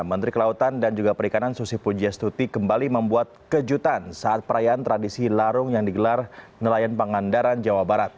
menteri kelautan dan juga perikanan susi pujiastuti kembali membuat kejutan saat perayaan tradisi larung yang digelar nelayan pangandaran jawa barat